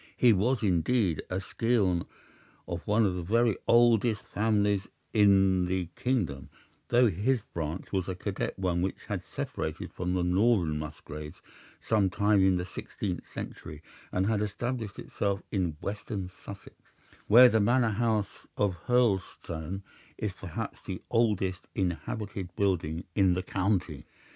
He was indeed a scion of one of the very oldest families in the kingdom, though his branch was a cadet one which had separated from the northern Musgraves some time in the sixteenth century, and had established itself in western Sussex, where the Manor House of Hurlstone is perhaps the oldest inhabited building in the county.